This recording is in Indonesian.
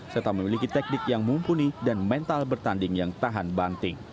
serta memiliki teknik yang mumpuni dan mental bertanding yang tahan banting